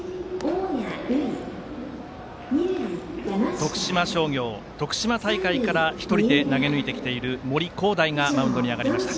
徳島商業、徳島大会から一人で投げぬいてきている森煌誠がマウンドに上がりました。